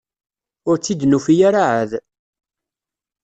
Ur tt-id-nufi ara ɛad.